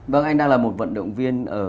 vâng anh đang là một vận động viên ở